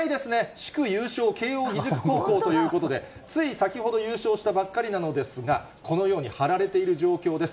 祝優勝、慶應義塾高校ということで、つい先ほど、優勝したばっかりなのですが、このように貼られている状況です。